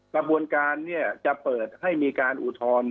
กระบวนการจะเปิดให้มีการอุทธรณ์